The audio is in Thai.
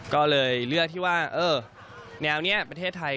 ก็เลยเลือกที่ว่าแนวนี้ประเทศไทย